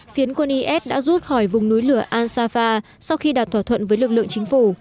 phiến quân is đã rút khỏi vùng núi lửa ansafa sau khi đạt thỏa thuận với lực lượng chính phủ